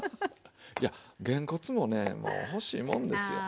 いやげんこつもねもう欲しいもんですよ。